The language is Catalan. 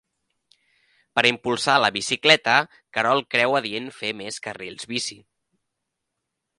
Per impulsar la bicicleta, Querol creu adient fer més carrils bici.